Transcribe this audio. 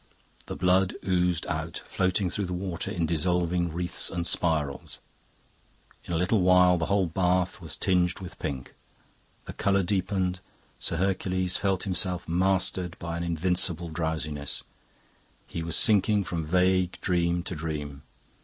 The blood oozed out, floating through the water in dissolving wreaths and spirals. In a little while the whole bath was tinged with pink. The colour deepened; Sir Hercules felt himself mastered by an invincible drowsiness; he was sinking from vague dream to dream.